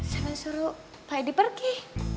saya mau suruh pak edi pergi